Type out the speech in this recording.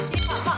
tentu mau makan